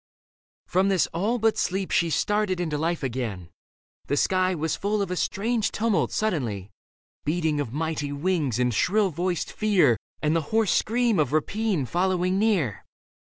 From this ail but sleep She started into life again ; the sky Was full of a strange tumult suddenly — Leda 1 5 Beating of mighty wings and shrill voiced fear And the hoarse scream of rapine following near.